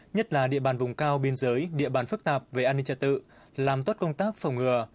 nhất là địa bàn vùng cao biên giới địa bàn phức tạp về an ninh trật tự làm tốt công tác phòng ngừa